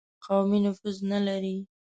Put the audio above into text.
قومي نفوذ نه لري.